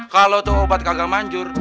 kalo tuh obat kagak manjur